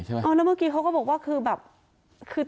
แล้วเมื่อกี้เขาก็บอกว่าคือแบบคือ